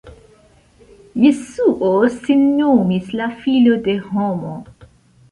Jesuo sin nomis la "filo de homo".